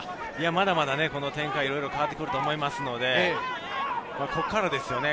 まだまだ変わってくると思いますのでここからですよね。